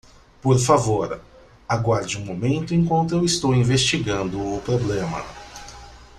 Por favor, aguarde um momento enquanto eu estou investigando o problema.